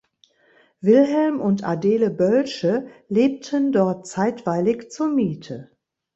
Wilhelm und Adele Bölsche lebten dort zeitweilig zur Miete.